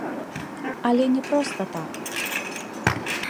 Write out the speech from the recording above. Але не проста так.